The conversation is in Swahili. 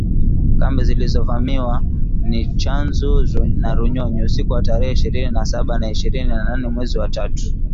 Kambi zilizovamiwa ni Tchanzu na Runyonyi, usiku wa tarehe ishirini na saba na ishirini na nane mwezi wa tatu